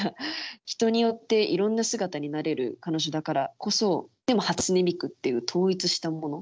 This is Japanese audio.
人によっていろんな姿になれる彼女だからこそでも初音ミクっていう統一したもの。